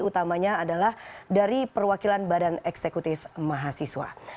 utamanya adalah dari perwakilan badan eksekutif mahasiswa